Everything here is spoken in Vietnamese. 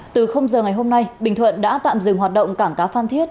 từ giờ ngày hôm nay bình thuận đã tạm dừng hoạt động cảng cá phan thiết